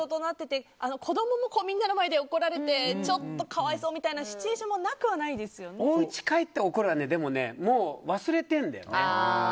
子供も、みんなの前で怒られて、ちょっとかわいそうなシチュエーションもお家に帰って怒るのはでも、もう忘れてるんだよね。